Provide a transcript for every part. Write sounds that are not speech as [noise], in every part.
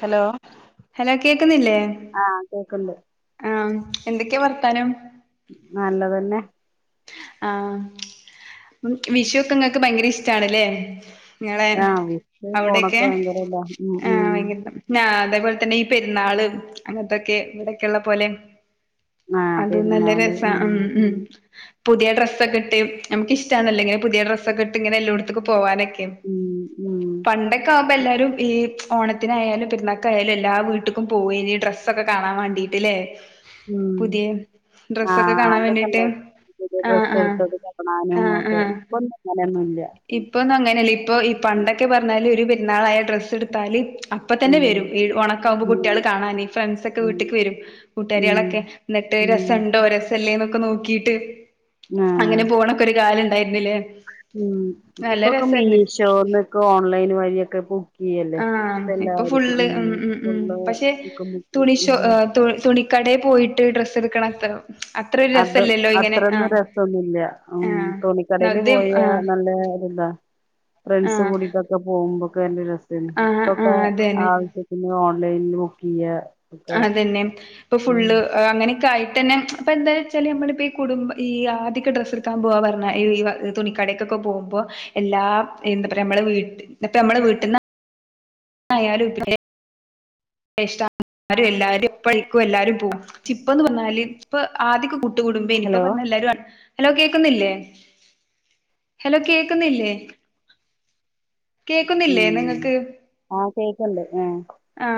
Hello hello കേക്കുന്നില്ലേ ആഹ് കേക്ക്ണ്ട് ആ എന്തൊക്കെയാ വർത്താനം നല്ലത് തന്നെ ആഹ് വിഷുവൊക്കെ നിങ്ങക്ക് ഭയങ്കര ഇഷ്ടവാണല്ലേ നിങ്ങളെ ആഹ് വിഷു അവിടെയൊക്കെ ഓണൊക്കെ ഭയങ്കര ഇതാ ഉം ആ ഉം ഭയങ്കര ഇതാ ഞ അതേപോലെ തന്നെ ഈ പെരുന്നാളും അങ്ങനത്തൊക്കെ ഇവിടൊക്കെയുള്ള പോലെ അതും നല്ല രസവാ ഉം ഉം പുതിയ ഡ്രസ്സൊക്കെ ഇട്ട് നമുക്ക് ഇഷ്ടാണല്ലോ ഇങ്ങനെ പുതിയ ഡ്രസ്സൊക്കെ ഇട്ട് ഇങ്ങനെ എല്ലോടത്തൊക്കെ പോവാന് ക്കും ഉം പണ്ടൊ ക്കെ ആവുമ്പോ ഉം എല്ലാരും ഈ ഓണത്തിനായാലും പെരുന്നാക്കായാലും എല്ലാ വീട്ടുക്കും പോയിന് ഡ്രസ്സ് സൊക്കെ കാണാൻ വേണ്ടിട്ടില്ലേ ഉം പുതിയ ഡ്രെസ്സൊക്കെ ആഹ് കാണാൻ അതൊക്കെ വേണ്ടീട്ട് ഇണ്ടായിരുന്നു പുതിയ ഡ്രസ്സ് എടുത്തത് കണാനും ഒക്കെ ഇപ്പൊ ഒന്നും അങ്ങനൊന്നും ഇല്ല ഇപ്പൊ ഒന്നും അങ്ങനെയല്ല ഇപ്പൊ ഈ പണ്ടൊക്കെ പറഞ്ഞാല് ഒരു പെരുന്നാളായ ഡ്രസ്സ് എടുത്താല് അപ്പ തന്നെ ഉം വരും ഈ ഉണക്കാവമ്പോ കുട്ടികള് കാണാൻ ഈ ഫ്രണ്ട്സൊക്കെ വീട്ടിക്ക് ഉം വരും ഉം കൂട്ടുകാരികളൊക്കെ എന്നിട്ട് ഉം രസവുണ്ടോ രസം ഇല്ലേ എന്നൊക്കെ നോക്കിയിട്ട് ആഹ് അങ്ങനെ പോണൊക്കെ ഒരു കാലം ഇണ്ടായിരുന്നില്ലേ ഉം ഇപ്പൊക്കെ മീഷോനൊക്കെ ഓൺലൈൻ വഴിയൊക്കെ ബു ക്ക് ചെയ്യല്ലേ ആഹ് ഇപ്പോ ഇപ്പൊ എല്ലാവരും ഫുള്ള് ഉം ഉം ഉം [unintelligible] തു തുണിക്കടയിൽ പോയിട്ട് ഡ്രസ്സ് എടുക്കണെ [unintelligible] അത് അത്രയൊന്നും രസവൊന്നുമില്ല ഉം ആഹ് തുണിക്കടയില് നദ്യം പോയാ ആഹ് നല്ലേ എന്താ ഫ്രണ്ട്സ് ആഹ് കൂടീട്ടൊക്കെ പോകുമ്പോ ഒക്കെ നല്ല രസവായിന് ആഹ് ഇപ്പൊക്കെ ആഹ് ആ അതന്നെ ഒക്കെ ഇനി ഓൺലൈനീന്ന് ബുക്ക് ചെയ്യുക അത് തന്നെ ഇപ്പൊ ഫുള്ള് അങ്ങനെയൊക്കെ ആയിട്ട് തന്നെ അപ്പോൾ എന്താന്ന് വച്ചാല് നമ്മളിപ്പോൾ ഈ കുടും ഈ ആദ്യവൊക്ക ഡ്രസ് എടുക്കാൻ പോകുക പറഞ്ഞാ ഈ തുണിക്കടക്കൊക്കെ പോകുമ്പോ എല്ലാം എന്താ പറയാ നമ്മടെ വീ എന്നിട്ട് നമ്മടെ വീട്ടീന്ന് [unintelligible] എല്ലാരും എപ്പഴിക്കും എല്ലാരും പോവും ഇപ്പ എന്ന് പറഞ്ഞാല് ഇപ്പ ആദ്യവൊക്കെ കൂ ട്ട് കൂടുമ്പോ ഇനിയിപ്പോ ഹലോ പറഞ്ഞാ എല്ലാരും ആ ഹലോ കേക്കുന്നില്ലേ ഹലോ കേക്കുന്നില്ലേ കേക്കുന്നില്ലേ ഉം ആ കേക്ക്ണ്ട് ആ ആ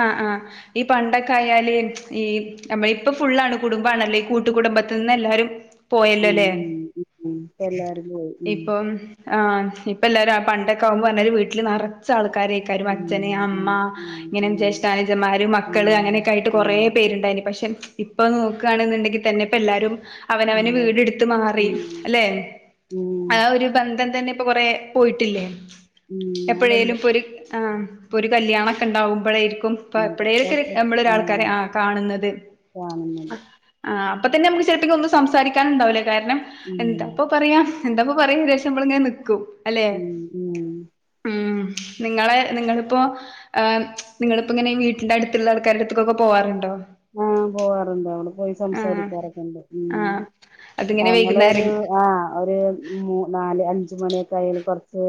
ആഹ ആഹ ഈ പണ്ടൊക്കെ ആയാല് ഈ നമ്മ ഇപ്പൊ ഫുള്ളാണ് കുടുംബാണല്ലൊ കൂട്ടു കുടുംബത്തിന്ന് എല്ലാരും ഉം പോയല്ലോല്ലേ ഉം ഉം ഉം ഇപ്പ എല്ലാരും പോയി ഉം ഇപ്പെം ആഹ് ഇപ്പൊ എല്ലാരും ആ പണ്ടൊക്കെ ആകുമ്പോ ഏ വീട്ടില് നറെ ച്ചആൾക്കാരേക്കാരം ഉം അച്ഛന് അമ്മ ഉം ഉം ജേഷ്ഠാനുജന്മാര് മക്കള് ഉം അങ്ങനെയൊക്കെ ആയിട്ട് ഉം കൊറെ ഉം പേരുണ്ടായിനി പക്ഷെ ഇപ്പൊ നോക്കാണ് ണ്ടെങ്കിൽ തെന്നെ ഇപ്പ എല്ലാരും അവനവന് വീട് എട്ത്ത് മാറി ഉം അല്ലെ ഉം ഉം ആ ഒരു ബന്ധം തന്നെ ഇപ്പൊ കൊറെ പോയിട്ടില്ലേ? ഉം എപ്പെഴേലും അതുണ്ട് ഇപ്പൊ ഒര് ആ ഒരു കല്യാണൊക്കെ ഇണ്ടാവുമ്പോഴെരിക്കും ഇപ്പ ഉം എപ്പെളേലെക്കെരു ഇപ്പൊക്കെ നമ്മളൊരു ആഹ് ആൾക്കാരെ ആ കാണ്ന്നത് കാണുന്നുണ്ട് ആഹ അപ്പൊ തന്നെ നമുക്ക് ചിലതെക്ക ഒന്നും സംസാരിക്കാനുണ്ടാവില കാര്ണം ഉം എന്താ ഇപ്പൊ പറയാ എന്താപ്പൊ പറയാ വിചാരിച് നമ്മളിങ്ങനെ നിക്കും അല്ലേ ഉം ഉം ഉം നിങ്ങളെ നിങ്ങളിപ്പോ ഏഹ് നിങ്ങളിപ്പോ ഇങ്ങനെ വീട്ടിന്റെ അട്ത്ത്ള്ള ആൾക്കാരട്ത്തൊക്കൊക്കെ പോവാറുണ്ടോ? ആഹ് പോവാറുണ്ട്‌ അവ്ടെ പോയി ആഹ് സംസാരിക്കാറൊക്കെണ്ട് ഉം ആഹ് അതിങ്ങനെ അങ്ങെള് ഒരു വൈകുന്നേരം ആ ഒര് മൂ നാല് അഞ്ച് മണിയൊക്കെ ആയാൽ കൊറ്ച്ച്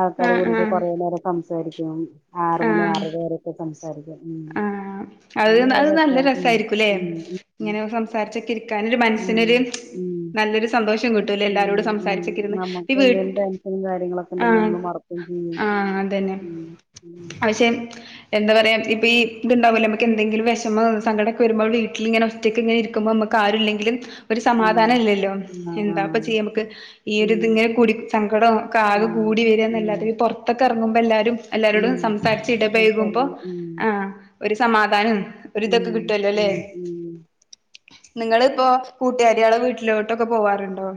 ആൾക്കാര് ആഹ് കൂടിട്ട് ആഹ് കൊറേ നേരം സംസാരിക്കും ആറ് മണി ആഹ് ആറെരെ വരെയൊക്കെ സംസ് സാരിക്കും ഉം [unintelligible] നല്ലെ രെസായിരിക്കൂലേ ഉം ഉം ഇങ്ങനെ സംസാരിച്ചൊക്കെ ഇരിക്കാന് ഉം മന്സ്സിനൊര് ഉം ഉം നല്ലെരു സന്തോഷം കിട്ടൂല്ലൊലേ ഉം എല്ലാരോടും ഉം സംസാരിച്ചിക്ക് ഇര്ന്ന് ഈ നമുക്ക് വീട്ട് എന്തെലും ടെൻഷനും കാര്യങ്ങളൊക്കെ ഉണ്ടെങ്കിൽ ആഹ് നമ്മള് മറക്കും ചെയ്യും ആ അതെന്നേ ഉം ഉം പഷേ എന്താ പറയാ പ്പീ ഇത്ണ്ടാവലോ മ്മക്കെന്തെങ്കില വെഷമോ ഇപ്പ ഈ ഇത്ണ്ടാവൂലേ നമ്മക്കെന്തെങ്കിലും വെഷമം സങ്കടൊക്കെ വരുമ്പോ വീട്ടിൽ ഇങ്ങനെ ഒച്ചറ്റക്കിങ്ങനെ ഇരിക്കുമ്പോ നമ്മക്ക് ആരുല്ലെങ്കില് ഒര് ഉം സമാധാന ഇല്ലെല്ലോ ആഹ് എന്താപ്പം ആഹ് ചെയ്യാ അമ്മക്ക് ഈ ഉം ഒര്തിങ്ങനെ കൂടി സങ്കടം ഒക്കെ ആകെ ആഹ് കൂടി ഉം വരെന്നല്ലാതെ പൊർ ത്തൊക്കെ എർങ്ങുമ്പോ എല്ലാരും എല്ലാരോടും ഉം സംസാരിച്ച് ഇടപെയ്കുമ്പോ സംസാരിക്കില്ല ഉം ആ ഒരു സമാധാനും ഒര് ഉം ഇതൊക്കെ ഉം കിട്ടൊല്ലൊല്ലേ ഉം നിങ്ങള്പ്പോ കൂട്ടാരിയളെ വീട്ട്ലോട്ടൊക്കെ പോവാറുണ്ടോ?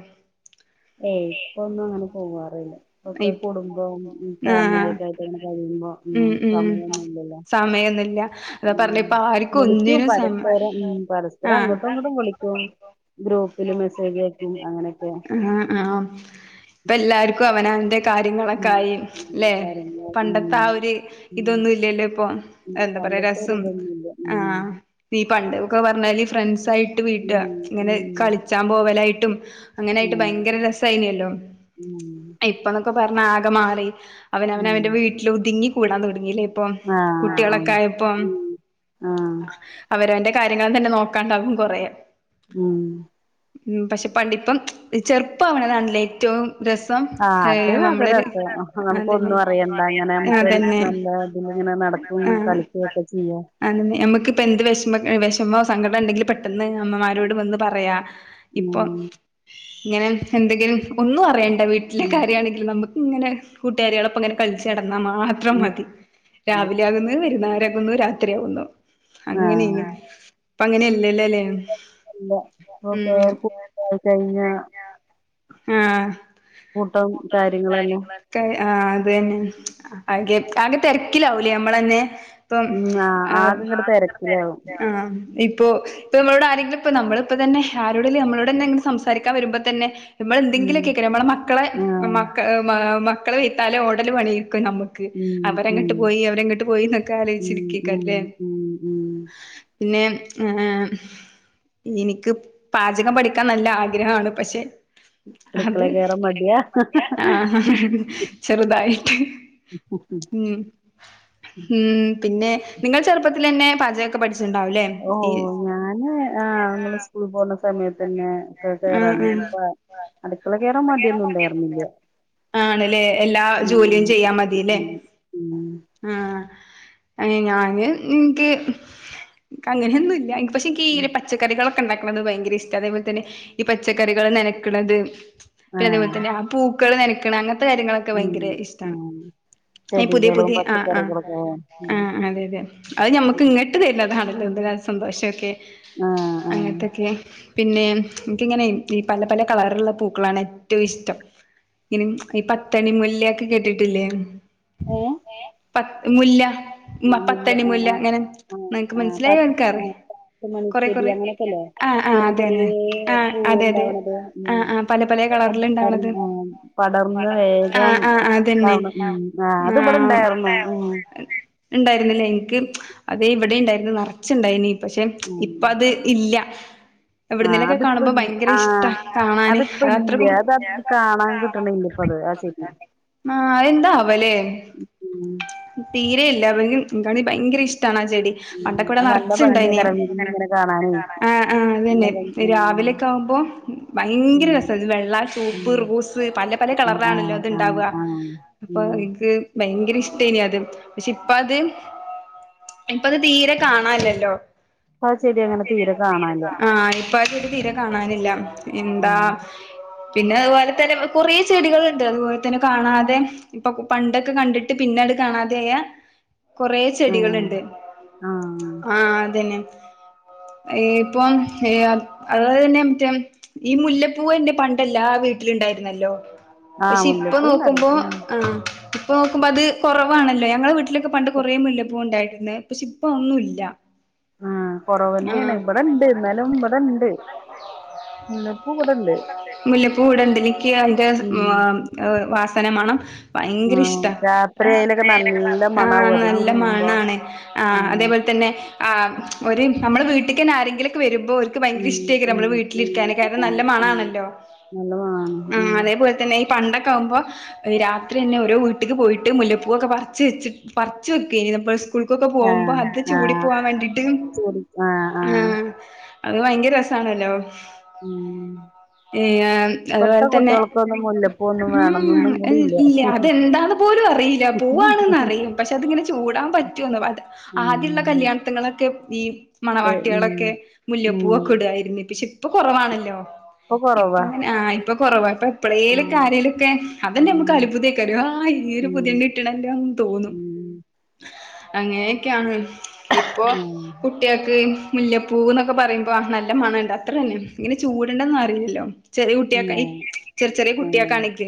ഏയ് ഇപ്പൊ ഒന്നും അങ്ങെനെ പോവാറില്ല ഇപ്പൊക്കെ കുടുംബം ആഹ് ഫാമിലിയൊക്കെ യായിട്ട്ങ്ങനെ കഴിയുമ്പോ ഉം സമയൊന്നുല്യല്ലോ സമെയൊന്നുല്ല്യാ ഉം വിളിക്ക്യും പരെസ്പരം ഉം പരസ്പരം ആഹ് അങ്ങോട്ടും ഇങ്ങോട്ടും വിളിക്കും ഗ്രൂപ്പ്ല് മെസ്സേജ് അയക്കും അങ്ങനെയൊക്കെയാ ആഹ് ആമ് ഇപ്പ എല്ലാർക്കും അവനാന്റെ ഉം കാര്യങ്ങെളെക്കായി ലെ കാര്യങ്ങള് ഉം പണ്ടത്തെ ആ ഒര് ഉം ഇതൊന്നും ഇല്യല്ലോഇപ്പൊ ഉം എന്തെപ്പറ്‌യ്യാ പണ്ടത്തെ ഒരു രെസും ഇതൊന്നുമില്ല ഉം ആഹ് ഈ പണ്ട്ക്കെ പറഞ്ഞാല് ഫ്രൻസായിട്ട് വീട്ട ഉം ഇങ്ങനെ ഉം കളിച്ചാൻ പോവലായിട്ടും അങ്ങെനായിട്ട് ഉം ഭയെങ്കരെ രസായിനെല്ലോ ഉം ഇപ്പന്നൊക്കെ പർഞ്ഞാ ആകെ മാറി അവനെ നവൻ ഉം അവന്റെ വീട്ട്ല് ഒതുങ്ങി കൂടാൻ തൊടങ്ങില്ലേ ഇപ്പൊം ആഹ് കുട്ട്യേളൊക്കെ ആഹ് ആയെപ്പം ഉം ആഹ് അവരാന്റെ കാര്യങ്ങൾ തെന്നെ നോക്കാണ്ടാവും കൊറേ ഉം ഉം പക്ഷെ പണ്ടിപ്പം ചെറുപ്പാവണെതാണ്ലേ ഏറ്റവും രെസം ആഹ് അത് അതൊരസം നമുക്ക് അതന്നെ ഒന്നും അറിയണ്ട ഇങ്ങനെ നമുക്ക് അതന്നെ നല്ല ഇതീലിങ്ങനെ നടക്കും കളിക്കും ഒക്കെ ചെയ്യാം. അന്നെ നമുക്കിപ്പം എന്ത് വെഷമ വെഷമോ സങ്കടം ഇണ്ടെങ്കിൽ പെട്ട്. ട്ടന്ന് അമ്മമാരോട് വന്ന് പറയാ ഇപ്പൊ. ഉം ഇങ്ങനെ എന്തെങ്കിലും ഒന്നും അറിയണ്ട വീട്ടിലെ ഉം കാര്യാണെങ്കിലും നമുക്കിങ്ങനെ കൂട്ടുകാരികളൊപ്പം ഇങ്ങനെ. കളിച്ച് നടന്നാൽ മാത്രം ഉം മതി. രാവിലെ ആകുന്നു വയ്ന്നാര ആകുന്നു രാത്രിയാകുന്നു. ആ അങ്ങനേനി ഇപ്പ അങ്ങനെയല്ലല്ലലെ. അല്ല ഫോൺ ഇണ്ടായി കഴിഞ്ഞാ. ആഹ് കൂട്ടം കാര്യങ്ങളെല്ലാം ക്കെ ആഹ് അതന്നെ ആകെ ആകെ തെരക്കിലാവൂലേ അമ്മളന്ന്. ഇപ്പം. ഉം ആ ആഹ് ആകെ ആ ഇങ്ങട് തിരക്കിലാവും ഇപ്പൊ ഇപ്പൊമ്മളോടാരെങ്കിലും ഇപ്പം നമ്മളിപ്പ തന്നെ ആരോടല്ല നമ്മളോടന്നെ സംസാരിക്കാൻ വരുമ്പോ തന്നെ. നമ്മൾ ഉം എന്തെങ്കിലുമൊക്കെക്ക നമ്മളെന്തെങ്കിലൊക്കേക്കാരം നമ്മളെ മക്കളെ ആ മക്ക മക്കളെ വെയ്ത്താലേ ഓടലും പണിയായിരിക്കും നമ്മ. ക്ക്‌ ഉം ഉം അവരങ്ങട്ട് പോയി അവരെങ്ങട്ട് പോയിന്നൊക്കെ ഉം ഉം ആലോയിച്ചിരിക്കേക്കാല്ലേ. ഉം ഉം പിന്നെ ഏഹ്. ഇനിക്ക് പാചകം പഠിക്കാൻ നല്ല ആഗ്രഹമാണ് പക്ഷെ അത്. അടുക്കളേ കേറാൻ മടിയാ ആഹ ഹ ഹ ഹ ചെറ്തായിട്ട് ഉം ഉം പിന്നെ നിങ്ങൾ ചെറുപ്പത്തിലെന്നെ പാചകൊക്കെ പഠിച്ചിണ്ടാവുല്ലേ ഓ ഈ ഞാന് ആഹ് അമ്മള് സ്കൂളി പോകുന്ന സമയത്ത്. തന്നെ ക്ക് അടുക്കള കേറാനും കേറാ ഇപ്പൊ അട് ക്കളെക്കേറാൻ മടിയൊന്നുണ്ടായിര് ന്നില്ല. ആണ്ല്ലേ എല്ലാ ജോലിയും ചെയ്യാ മതീല്ലേ? ഉം ഉം ആഹ് അയിന് ഞാന് ഇൻക്ക് അങ്ങനെ ഒന്നുല്ല പക്ഷെ ഇൻക്കീ ഉം ഒര് പച്ചക്കറികളൊക്കെ ഇണ്ടാക്കുന്നത് ഭയങ്കരിഷ്ട്ടാ അതേപോലെ തന്നെ ഈ പച്ചക്കറികള് നനക്ക്ണത്. ഇപ്പതെ ആഹ് പോലെത്തന്നെ ആ പൂക്കള് നനക്ക്ണെ അങ്ങൻത്തെ കാര്യങ്ങളൊക്കെ ഉം ഭയങ്കര ഇഷ്ട്ടാണ്. ആഹ് അയിന് പുതിയ ചെടികളും പുതിയ ആ ആ പച്ചക്കറികളൊക്കെ വേണം. ഉം ആഹ് അതെ അതെ അത് ഞമ്മക്ക് ഉം ഇങ്ങ ട്ട് തര്ന്ണതാണല്ലോ എന്തൊരാ സന്തോഷോക്കെ ആഹ് ആഹ് അങ്ങൻത്തൊക്കെ. പിന്നേം ഇൻക്കിങ്ങനെ ഈ പല പല കളറ്ള്ള പൂക്കളാണ് ഏറ്റവും ഇഷ്ടം. ഇനിം ഈ പത്തണി മുല്ലേ ഒക്കെ കേട്ടിട്ടില്ലേ? ഏഹ് ഏ പത്ത്മുല്ല മ ആഹ് മുല്ല ആഹ് പത്തണിമുല്ല ആഹ് ഇങ്ങനെ ആഹ് നനക്ക് ആഹ് പത്ത് മനസ്സിലായോൽക്ക് ആഹ് അറിയാ പത്ത് കൊറെ മണിച്ചെടി കൊറെ അങ്ങനെയൊക്കെല്ലേ ആ ആ ചെറിയ അതെ എന്നെ ആ ചെറിയ അതെ അതെ പൂവുണ്ടാവണത് ഉം ആ ആ പല പലേ ആഹ് കളറില്ണ്ടാവ്ണത്. പടർന്ന് ആ, പടർന്ന് വേഗം ഇതാവ്ണെ ആ അതിവിടുണ്ടായിരുന്നു ഉം അതെ ഇണ്ടായിരുന്നില്ലേ ഇൻക്ക് അതേ ഇവിടെണ്ടായിരുന്നു നെറച്ച് ഇണ്ടായീനി പക്ഷെ ഉം ഇപ്പത്- ഇല്ല ആഹ് എവിടുന്നേലൊക്കെ കാണുമ്പോ അതിപ്പം ഭയങ്കര ആഹ് ഇഷ്ടാ കാണാന് അത് അതിപ്പല്ല്യ അത്രക്കും അതത് കാണാൻ കിട്ടണില്ല ഇപ്പത് ആ ചെടി ന്നാഎന്താവലേ? ഉം പ്പതീരെ ഇല്ലവനും ഇൻക്കാണെങ്കി ഭയങ്കരിഷ്ട്ടാണാ ചെടി ഉം അതൊക്കെ ഇവടെ അത് നല്ല നറ്ച്ച്ണ്ടായീനി ഭംഗിയാക്കാരം വിരിഞ്ഞ് ഇങ്ങനെ കാണാനേ ആ ആ നല്ല അതെന്നെ അഹ് ഭംഗി രാവിലൊക്കെ ആവുമ്പോ ഭയങ്കര ഉം രസാത് വെള്ള ഉം ചൂപ്പ് റോസ് പല പല ഉം ആഹ് കളറിലാണില്ലൊ ആഹ് അത്ണ്ടാവ ആഹ് ആഹ് ഉം ഇന്ക് ഭയങ്കരിഷ്ട്ടേനി അത് പക്ഷെ ഇപ്പ അത് ഇപ്പത് തീരെ കാണാല്ലല്ലോ ഇപ്പ ആ ചെടി ആഹ് അങ്ങനെ ശെരിയാണ് തീരെ കാണാല്ല ആഹ് ഈഹ് ഇപ്പ ആചെടി തീരെ കാണാനില്ല ഉം എന്താ പിന്നെ അതുപോലെത്തന്നെ വെ കൊറേ ചെടികള്ണ്ട് അതുപോലെത്തന്നെ കാണാതെ ഇപ്പ പ്പണ്ടോക്കെ കണ്ടിട്ട് പിന്നട് കാണാതായാ കൊറേ ആഹ് ചെടികള്ണ്ട് ആഹ് ആഹ് അതന്നെ ഈപ്പം ഏയാത് അത് അതന്നെ റ്റേ ഈ മുല്ലപ്പൂവന്നെ പണ്ടെല്ലാ വീട്ടില് ഇണ്ടായ്ര്ന്നല്ലോ ആഹ് പഷേ ഇപ്പ മുല്ലപ്പൂണ്ട് അവിടെ നോക്കുമ്പോ ഉം ആഹ് ഇപ്പൊ നോക്കുമ്പത് കൊറവാണല്ലേ ഞങ്ങളെ വീട്ടിലക്കെ പണ്ട് കൊറേ മുല്ല പ്പൂണ്ടായിട്ട്ണ്ട്‌ പക്ഷെ ഇപ്പൊഅഒന്നുല്ല ആഹ് കൊറവനെണ് ഇവ്ടെണ്ട് ഇന്നാലും ഇവ്ടെണ്ട് ഇവിടെണ്ട്‌ മുല്ലപ്പൂവ്ടെണ് ണ്ട്‌ മുല്ലപ്പൂവിടൊണ്ട്‌ നിക്ക് അതിന്റെ സ് മാ ഏഹ് വാസന മണം ഭയങ്കര ആഹ് ഇഷ്ട്ടാ അയിലൊക്കെ രാത്രി അയിലേക്കെ നല്ല മണാവും നടന്നുപോവുമ്പ അത് നല്ല വിരിയുമ്പോ മണാണ് ആഹ് ഉം അതേപോലെത്തന്നെ ആഹ് ഒര് അമ്മളെ വീട്ടിക്കന്നെ ആരെങ്കിലൊക്കെ വരുമ്പോ ഓര്ക്ക് ഉം ഭയങ്കരിഷ് ഉം നമ്മളെ ഉം വീട്ടിലിര്ക്കാന് കാരണം ആഹ് നല്ല ഉം മണാണല്ലോ നല്ല മണാണ് ഉം അതെ പോൽത്തന്നെ ഈ പണ്ടക്കെ ആവുമ്പോ രാത്രിന്നെ ഓരോ വീട്ടിക്ക് പോയിട്ട് മുല്ലപ്പൂവക്കെ പറിച്ച് വെച്ച് പറിച്ച് വെക്കെയ്നി പ്ലസ് സ്കൂൾക്കൊക്കൊ ആഹ് പോവുമ്പൊ അത് ചൂടി ആഹ് പോവാൻ വേണ്ടിട്ട് ചെടി ആഹ് ആഹ് ഉം അന്ന് ഭയങ്കര രസാണല്ലോ ഉം ഈഏഹ് ഇപ്പത്തെ അത്പോൽതന്നെ കുട്ടികൾക്കൊന്നും മുല്ലപ്പൂ ഒന്നും ഉം ഉം വേണന്നൊന്നും കൂടി ഇല്ല, അതെന്താന്ന് - പോലും അറിയില്ല പൂവാണ്ന്നറിം പക്ഷെ അതിങ്ങനെ ചൂടാൻ പറ്റോന്ന് അത്, ആദ്യള്ള ഉം കല്യാണത്ങ്ങന്നൊക്കെ ഈ ഏ ഉം മണവാട്ട്യാളൊക്കെ ഉം മുല്ലപ്പൂവൊക്കെ ഇടുആയ്രുന്നു പിന്നെ പഷേ ഇപ്പൊ കൊറവാണല്ലോ, ഇപ്പൊ കൊറവാ ഇപ്പങ്ങനെ ആഹ് ഇപ്പൊ കൊറവാ ഇപ്പ- ഉം എപ്പളേലൊക്കെ ആരേലൊക്കെ, അതെന്നെഅമ്മക്ക് ഉം അത്ഭുതെയ്ക്കാരം. ആഹ് ഈ ഒരു ഉം പുത്യെണ്ണ് - ഇട്ട്ണെല്ലോന്ന് തോന്നും. ഉം അങ്ങനെയൊക്കെയാണ് ഇപ്പൊ ആഹ് കുട്ട് കുട്ട്യാക്ക് മുല്ലപ്പൂവ്ന്നൊക്കെ പറയുമ്പോ നല്ല മണണ്ട് അത്രന്നെ, ഇങ്ങനെ ചൂടണ്ട ന്നൊറീല്ലല്ലോ. ചെറ്യേ കുട്ട്യാക്ക് ആഹ് ഈഹ് ചെർ ചെറ്യേ ആഹ് കുട്ട്യാക്കാണെങ്കില്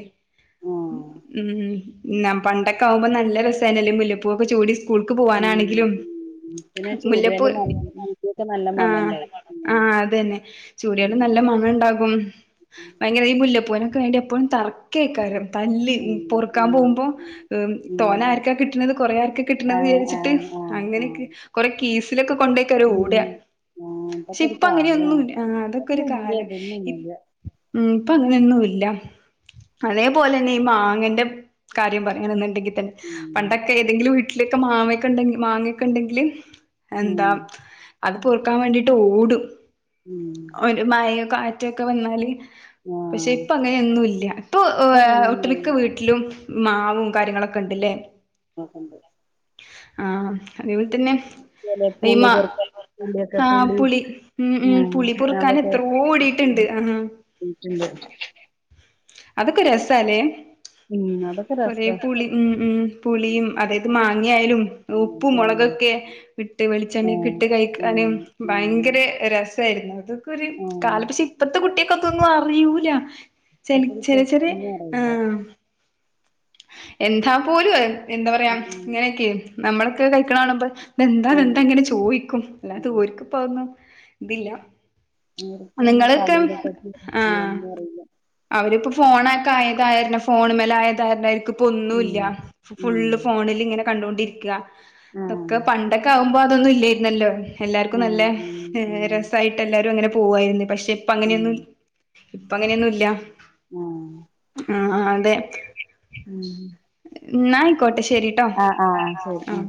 ആഹ് - ഉം ഇന്ന പണ്ടൊക്കെ ആവുമ്പോ നല്ല രസായിനല്ലോ മുല്ലപ്പൂവൊക്കെ ചൂടി സ്കൂ - സ്കൂൾക്ക് ഉം പൂവാനാണെങ്കിലും ഉം പിന്നെ മുല്ലപ്പൂ, ചൂടിയാല് ന മുടിയൊക്കെ നല്ല മണം ആഹ് ഉണ്ടാവും ഉം ആഹ് അതന്നെ. ചൂട്യാലും ഉം നല്ല മണണ്ടാകും. ഭയങ്കര ഈ മുല്ലപ്പൂവ്നൊക്കെ വേണ്ടി എപ്പഴും തർക്കെയ്ക്കാരം. തല്ല്, ഈ ഉം പൊറ്ക്കാം ഉം പോവ്മ്പോ ഉം ഈഹ് ഉം തോനെ ആര്ക്കാ കിട്ട്ണത് കൊറേ ആര്ക്കാ - കിട്ട്ണത് ആഹ് വിചാര്ച്ച്ട്ട് ആഹ് ആഹ് അങ്ങനെക്കെ ആഹ് കൊറെ കീസിലൊക്കെ കൊണ്ടേയ്ക്കാരെ ഓട ഉം ആഹ് പക്ഷെ ഇതൊക്കെ ഒരു ഇപ്പ അങ്ങനെയൊന്നു കാലാണ് ഇല്ല. ആഹ് അതൊക്കെ ഒര് ഇതൊന്നും ഇല്ല കാലം ഇതൊന്നും ഇപ്പൊ ഇല്ല ഉം ഇപ്പങ്ങനെയൊന്നുല്ല. അതേപോലെന്നെ ഈ മാങ്ങന്റെ- കാര്യം പറയാണ്ന്ന്ണ്ടെങ്കി തന്നെ. ഉം പണ്ടൊക്കെ ഏതെങ്കിലും വീട്ടിലൊക്കെ മാവക്കെണ്ടെ, മാങ്ങേക്കെ ഇണ്ടെങ്കില്- എന്താ ഉം അത് പെറുക്കാൻ വാണ്ടീട്ട് ഓടും. ഉം ഒരു മയെയോ കാറ്റോക്കെ വന്നാല്. പക്ഷെ ആഹ് ഇപ്പങ്ങനെന്നു ഇല്ല ഇപ്പൊ ഏഹ് ഇപ്പങ്ങനെ ഒട്ട്മിക്ക വീട്ട്ലും മാവും കാര്യങ്ങളൊക്കെ ഒക്കെണ്ട്ലേ? ണ്ട് ആഹ് അതേപോൽതന്നെ, അതെ പുളി പെറ്ക്കാം, പുള്യോക്കെ ആഹ് പുളി പുളി ഉം ഉം പുളി പൊറുക്കാനെത്രോ ഓടീട്ട്ണ്ട് ആഹാ. [unintelligible] അതൊക്കെ രസാലേ? ഉം അതൊക്കെ കൊറേ രസാ പുളി ഉം ഉം പുളിയും അതായത് മാങ്ങായാലും ഉപ്പും ഉം മൊളകൊക്കെ ഇട്ട് ഉം വെളിച്ചെണ്ണയക്കെ ആഹ് ഇട്ട് ഉം കഴിക്കാന് ഉം ഭയങ്കരെ രസായിര്ന്നു അതൊക്കൊര് ആഹ് കാലം പക്ഷേ ഇപ്പത്തെ കുട്ട്യേക്കതൊന്നും അറിയൂല. ഒത്തിരി ചെൻച്ചത് ചെറ്യേ പേർക്കൊന്നും അറിയില്ല ആഹ് എന്താ പോലും അ എന്താ പറയാ ഉം ഇങ്ങനെക്കെ നമ്മളൊക്കെ കഴിക്ക്ണാണുമ്പം ഇതെന്താ ഉം ഇതെന്താ ഇങ്ങനെ ചോയ്ക്കും ഉം അല്ലാതോര്ക്ക്പ്പഹൊന്നും ഇതില്ല. നിങ്ങളൊക്കെ [inaudible] അവര്പ്പം ഫോണൊക്കെ ആയകാരണം ഫോണ്‌മ്മല് [unintelligible] ഉം ഇപ്പൊന്നുല്ല ഫു ഉം ഫുള്ള് ഫോണ്ല്ങ്ങനെ കണ്ടോണ്ടിരിക്കാ ഇതൊക്കെ ആഹ് പണ്ടക്കെ ആവു ഇപ്പോ അതൊന്നും ഇല്ല്യായിര്ന്നല്ലോ എല്ലാർക്കും ആഹ് നല്ലേ ഉം ഏഹ് ഉം രസായിട്ട് എല്ലാരും അങ്ങനെ പോവായ്ര്ന്നെ പക്ഷെ ഉം ഇപ്പങ്ങനെന്നും ഇപ്പ അങ്ങനെന്നും ഇല്ല. ആഹ് ആഹ് ആഹ് അതെ ഉം ഉം ഇന്നാ അയിക്കോട്ടെ ശരി. ആഹ് ആഹ് ശരി ആഹ്.